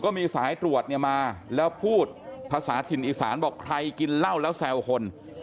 มีสายตรวจเนี่ยมาแล้วพูดภาษาถิ่นอีสานบอกใครกินเหล้าแล้วแซวคน